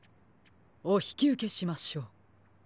おひきうけしましょう。